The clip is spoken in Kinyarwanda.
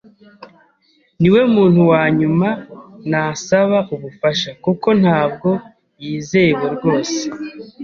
Niwe muntu wa nyuma nasaba ubufasha, kuko ntabwo yizewe rwose.